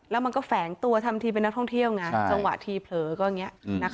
แล้วมันก็แฝงตัวทำทีเป็นนักท่องเที่ยวไงจังหวะทีเผลอก็อย่างนี้